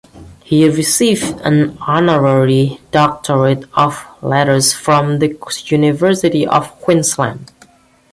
He received an Honorary Doctorate of Letters from the University of Queensland.